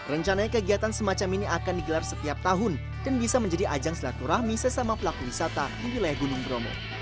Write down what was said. rencananya kegiatan semacam ini akan digelar setiap tahun dan bisa menjadi ajang silaturahmi sesama pelaku wisata di wilayah gunung bromo